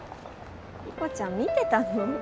理子ちゃん見てたの！？